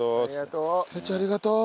ありがとう。